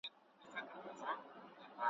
شته مني لکه لولۍ چي د سړي غیږي ته لویږي `